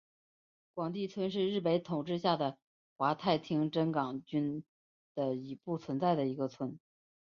广地村是日本统治下的桦太厅真冈郡的已不存在的一村。